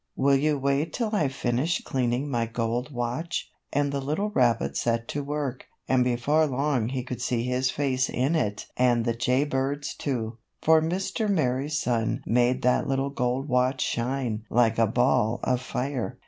"Will you wait till I finish cleaning my gold watch?" and the little rabbit set to work, and before long he could see his face in it and the Jay Bird's too, for Mr. Merry Sun made that little gold watch shine like a ball of fire.